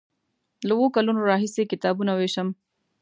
له اوو کلونو راهیسې کتابونه ویشم.